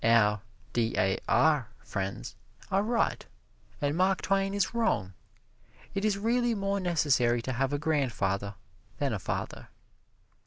Our D. A. R. friends are right and Mark Twain is wrong it is really more necessary to have a grandfather than a father.